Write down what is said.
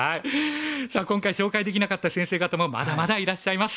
さあ今回紹介できなかった先生方もまだまだいらっしゃいます。